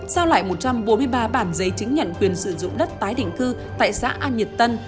sao lại một trăm bốn mươi ba bản giấy chứng nhận quyền sử dụng đất tái định cư tại xã an nhật tân